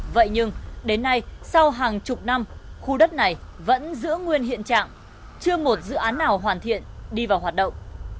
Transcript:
vậy nhưng đến nay sau hàng chục năm khu đất này vẫn giữ nguyên hiện trạng chưa một dự án nào hoàn thiện đi vào hoạt động